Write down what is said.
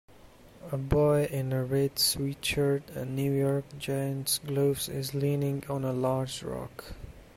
A boy in a red sweatshirt and New York Giants gloves is leaning on a large rock.